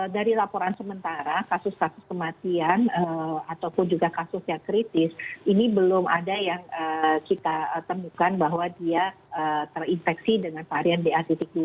dari laporan sementara kasus kasus kematian ataupun juga kasus yang kritis ini belum ada yang kita temukan bahwa dia terinfeksi dengan varian ba dua